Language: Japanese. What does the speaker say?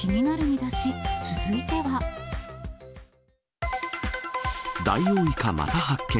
ダイオウイカまた発見。